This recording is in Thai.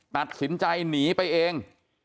ตัดสินใจหนีไปเอง